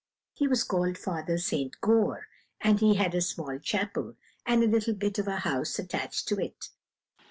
He was called Father St. Goar, and he had a small chapel, and a little bit of a house attached to it.